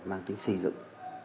mang tính xây dựng